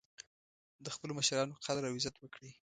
د خپلو مشرانو قدر او عزت وکړئ